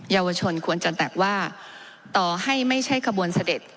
เยาวชนควรจะแตกว่าต่อให้ไม่ใช่ขบวนเสด็จ